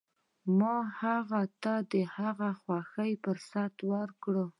ما هغه ته د هغه د خوښې فرصت ورکړ.